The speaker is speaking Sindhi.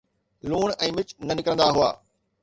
لوڻ ۽ مرچ نه نڪرندا هئا